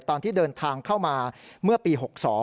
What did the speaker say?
ตอนที่เดินทางเข้ามาเมื่อปี๖๒